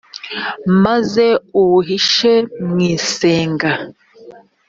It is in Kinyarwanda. maze uwuhishe mu isenga